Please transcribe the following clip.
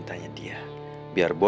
nggak ada apa apa